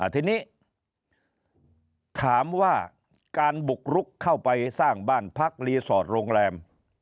ทีนี้ถามว่าการบุกรุกเข้าไปสร้างบ้านพักรีสอร์ทโรงแรม